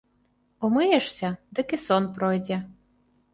Умыешся, дык і сон пройдзе.